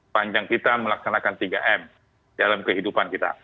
panjang kita melaksanakan tiga m dalam kehidupan kita